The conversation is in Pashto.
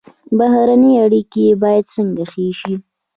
بهرنۍ اړیکې باید څنګه ښې شي؟